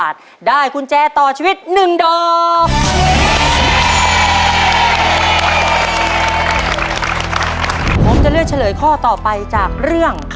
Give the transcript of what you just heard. ถูกครับ